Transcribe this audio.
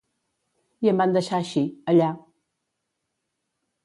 I em van deixar així, allà.